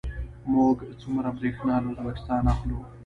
موږ څومره بریښنا له ازبکستان اخلو؟